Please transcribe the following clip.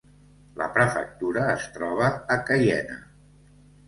La prefectura es troba a Caiena.